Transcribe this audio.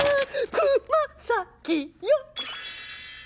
く・ま・さ・きよ！